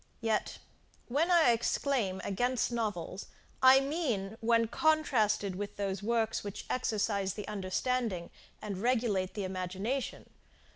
Yet, when I exclaim against novels, I mean when contrasted with those works which exercise the understanding and regulate the imagination.